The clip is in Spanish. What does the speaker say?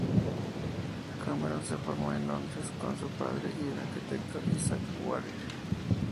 Cameron se formó en Londres con su padre y con el arquitecto Isaac Ware.